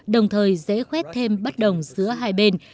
đồng thời dễ khuét thêm bất đồng giữa hai bên